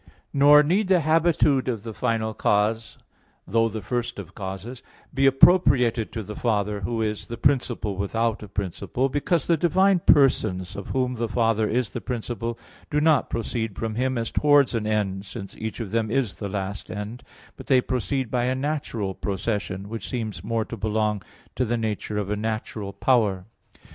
Nor need the habitude of the final cause (though the first of causes) be appropriated to the Father, Who is "the principle without a principle": because the divine persons, of Whom the Father is the principle, do not proceed from Him as towards an end, since each of Them is the last end; but They proceed by a natural procession, which seems more to belong to the nature of a natural power.